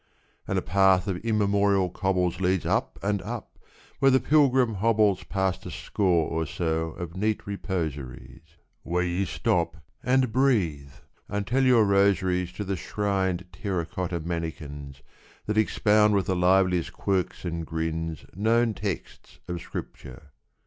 And a path of immemorial cobbles Leads up and up, where the pilgrim hobbles Past a score or so of neat reposories, Where you stop and breathe and tell your rosaries To the shrined terra cotta mannikins, That expound with the liveliest quirks and grins Known texts of Scripture.